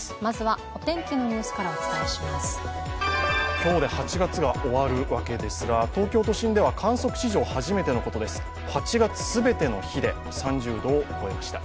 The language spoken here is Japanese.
今日で８月が終わるわけですが、東京都心では観測史上初めてのことです、８月全ての日で３０度を超えました。